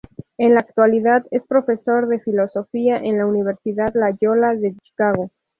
En la actualidad es profesor de filosofía en la Universidad Loyola de Chicago.